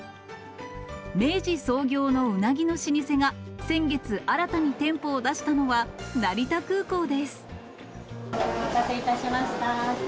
明治創業のうなぎの老舗が先月、新たに店舗を出したのは、成田空お待たせいたしました。